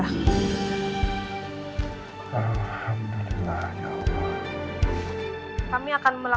ini untuk ayam awam